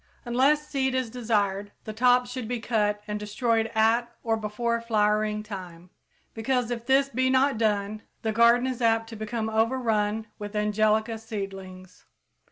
Unless seed is desired, the tops should be cut and destroyed at or before flowering time, because, if this be not done, the garden is apt to become overrun with angelica seedlings.